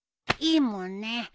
いいもんね。